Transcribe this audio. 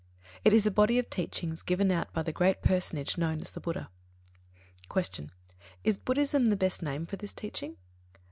It is a body of teachings given out by the great personage known as the Buddha. 3. Q. _Is "Buddhism" the best name for this teaching?